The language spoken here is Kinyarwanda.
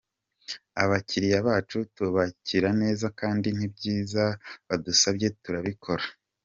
Abakiliya bacu tubakira neza kandi n’ibyiza batadusabye turabikora.